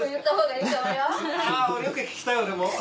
よく聞きたい俺も！